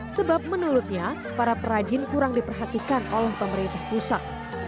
sebab menurutnya para perajin kurang diperhatikan oleh pemerintah pusat